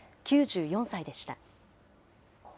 ９４歳でした。